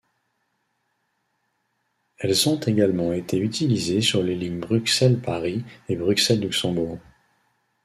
Elles ont également été utilisées sur les lignes Bruxelles-Paris et Bruxelles-Luxembourg.